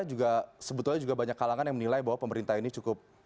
juga sebetulnya juga banyak kalangan yang menilai bahwa pemerintah ini cukup